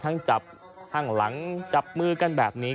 จับข้างหลังจับมือกันแบบนี้